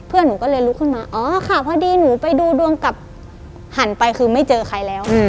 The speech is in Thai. หนูก็เลยลุกขึ้นมาอ๋อค่ะพอดีหนูไปดูดวงกลับหันไปคือไม่เจอใครแล้ว